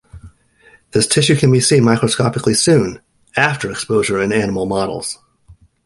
This tissue can be seen microscopically soon after exposure in animal models.